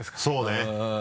そうね。